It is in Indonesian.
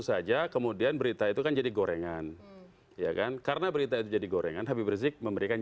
ada apa yang diperlukan